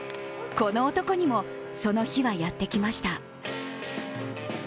この男にも、その日はやってきました。